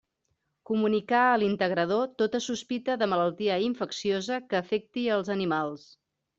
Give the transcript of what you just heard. Comunicar a l'integrador tota sospita de malaltia infecciosa que afecti els animals.